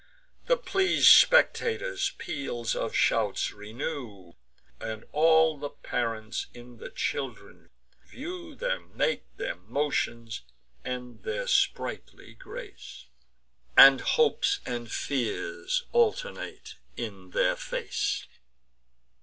The pleas'd spectators peals of shouts renew, And all the parents in the children view; Their make, their motions, and their sprightly grace, And hopes and fears alternate in their face.